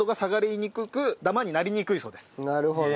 なるほど。